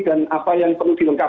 dan apa yang perlu dilakukan